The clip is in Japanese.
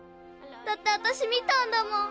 だってあたし見たんだもん。